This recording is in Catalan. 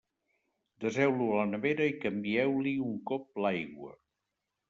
Deseu-lo a la nevera i canvieu-li un cop l'aigua.